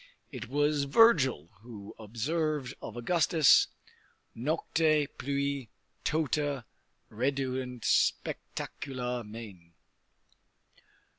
It was Virgil who observed of Augustus: Nocte pluit tota redeunt spectacula mane.